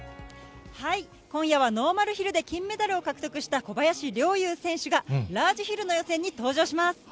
今夜はノーマルヒルで金メダルを獲得した小林陵侑選手が、ラージヒルの予選に登場します。